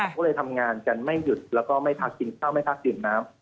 ก็เลยทำงานกันไม่หยุดแล้วก็ไม่พักกินข้าวไม่พักดื่มน้ำ